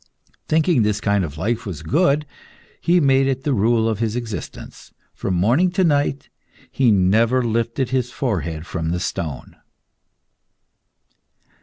Thinking this kind of life was good, he made it the rule of his existence. From morning to night he never lifted his forehead from the stone.